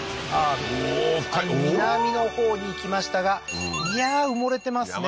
おおー南のほうに行きましたがいやー埋もれてますね